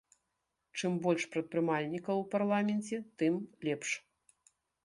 Чым больш прадпрымальнікаў у парламенце, тым лепш!